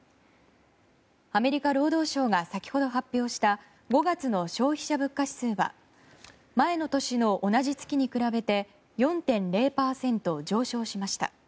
アメリカ労働省が先ほど発表した５月の消費者物価指数は前の年の同じ月に比べて４．０％上昇しました。